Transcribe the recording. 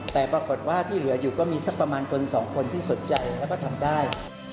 แต่ปรากฏว่าที่เหลืออยู่ก็มีสักประมาณคนสองคนที่สนใจแล้วก็ทำได้